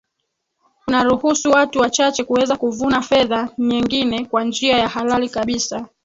unaruhusu watu wachache kuweza kuvuna fedha nyengine kwa njia ya halali kabisa